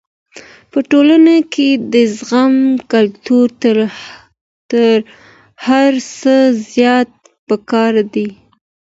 په ټولنه کي د زغم کلتور تر هر څه زيات پکار دی.